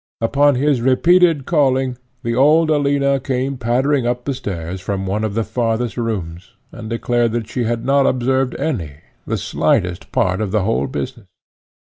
Upon his repeated calling, the old Alina came pattering up the stairs from one of the farthest rooms, and declared that she had not observed any, the slightest, part of the whole business.